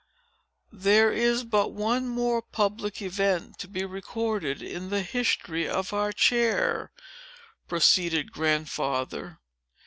"There is but one more public event to be recorded in the history of our chair," proceeded Grandfather.